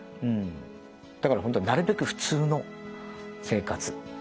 だから本当なるべく普通の生活をする。